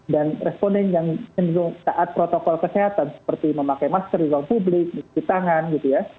dan responen yang cenderung taat protokol kesehatan seperti memakai masker di ruang publik di tangan gitu ya